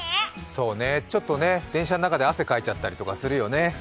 そうね、ちょっとね、電車の中で汗かいちゃったりとかするよね。